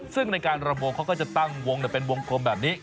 ซึ่งในการระบงเขาก็จะตั้งวงเป็นวงกลมแบบนี้